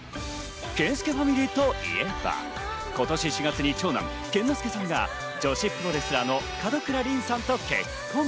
健介ファミリーといえば、今年４月に長男・健之介さんが女子プロレスラーの門倉凛さんと結婚。